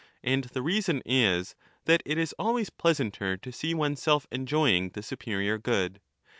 And the reason is, that it is always pleasanter 1245'' to see one's self enjoying the superior good.